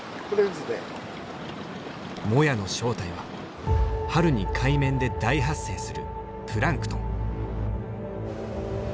モヤの正体は春に海面で大発生するプランクトン。